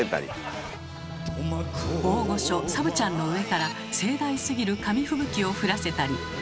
大御所サブちゃんの上から盛大すぎる紙吹雪を降らせたり。